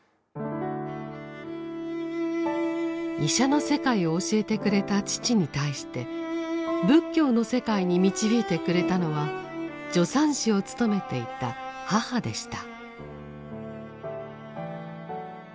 医者の世界を教えてくれた父に対して仏教の世界に導いてくれたのは助産師を務めていた母でした。